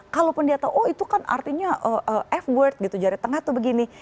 kalaupun dia tahu oh itu kan artinya f word gitu jari tengah tuh begini